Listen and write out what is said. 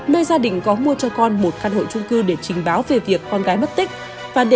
nơi gia đình có mua cho con một căn hộ trung cư để trình báo về việc con gái mất tích